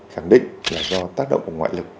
khẳng định là do tác động của ngoại lực